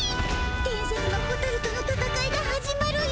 伝説のホタルとのたたかいが始まるよ。